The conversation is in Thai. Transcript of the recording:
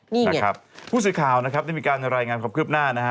นี่ไงพูดสิทธิ์ข่าวนะครับนี่มีการรายงานขอบคลิบหน้านะฮะ